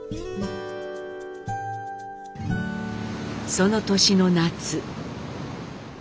その年の夏。